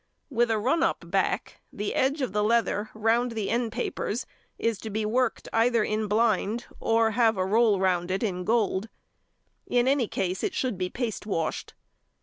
With a "run up" back, the edge of the leather round the end papers is to be worked either in blind or have a roll round it in gold. In any case it should be paste washed.